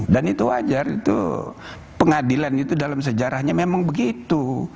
dan itu wajar itu pengadilan itu dalam sejarahnya memang begitu